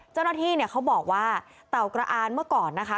เจ้าหน้าที่เนี่ยเขาบอกว่าเต่ากระอานเมื่อก่อนนะคะ